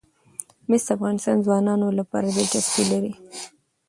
مس د افغان ځوانانو لپاره دلچسپي لري.